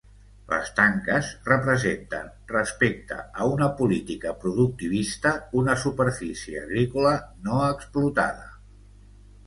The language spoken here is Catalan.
Les tanques representen, respecte a una política productivista, una superfície agrícola no explotada.